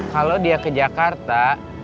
kalau dia ke jakarta